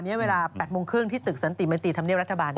เวลา๘โมงครึ่งที่ตึกสันติมัยตรีธรรมเนียบรัฐบาล